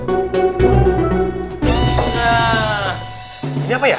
gak tau coba lihat